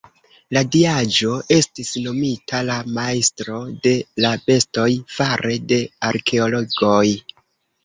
La diaĵo estis nomita la "Majstro de la Bestoj" fare de arkeologoj.